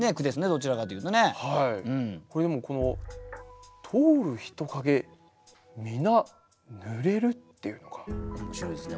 これこの「通る人影みな濡れる」っていうのが面白いですね。